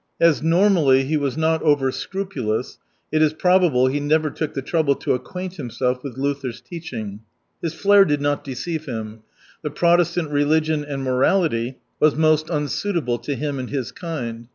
As normally he was not over scrupulous, it is probable he never took the trouble to acquaint him self with Luther's teaching. His flair did not deceive him : the Protestant religion and morality was most unsuitable to him and his kind.